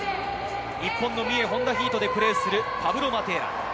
日本の三重ホンダヒートでプレーするパブロ・マテーラ。